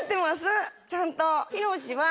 ちゃんと。